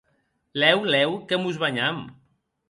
Lèu, lèu, que mos banham.